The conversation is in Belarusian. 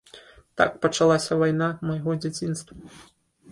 Так пачалася вайна майго дзяцінства.